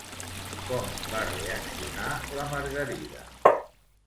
Com va reaccionar la Margarida?